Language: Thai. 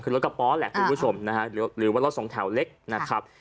คือรถกระป๋อแหละคุณผู้ชมนะฮะหรือว่ารถสองแถวเล็กนะครับ